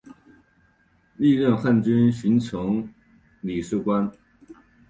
历任汉军巡城理事官。